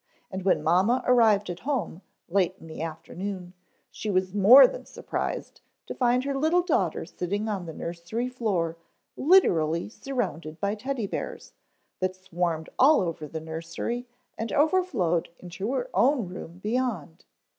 And when mamma arrived at home, late in the afternoon, she was more than surprised to find her little daughter sitting on the nursery floor literally surrounded by Teddy bears, that swarmed all over the nursery and overflowed into her own room beyond.